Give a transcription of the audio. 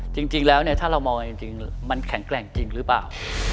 จริงแล้วถ้าเรามองจริงมันแข็งแกร่งจริงหรือเปล่า